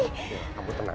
ya kamu tenang